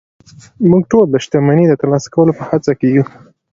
موږ ټول د شتمنۍ د ترلاسه کولو په هڅه کې يو